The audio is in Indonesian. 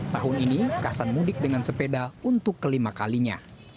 tahun ini kasan mudik dengan sepeda untuk kelima kalinya